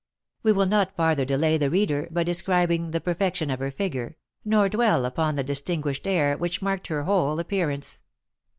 We will not farther delay the reader by describing the perfection of her figure, nor dwell upon the distinguished air which marked her whole appearance.